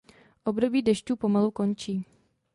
Období dešťů pomalu končí.